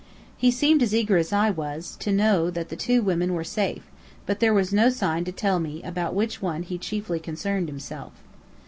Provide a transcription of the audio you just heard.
He seemed as eager as I was, to know that the two women were safe; but there was no sign to tell me about which one he chiefly concerned himself.